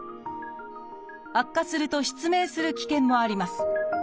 悪化すると失明する危険もあります。